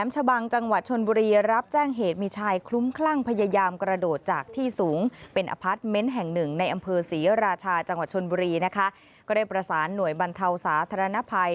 จังหวัดชนบุรีนะคะก็ได้ประสานหน่วยบรรเทาสาธารณภัย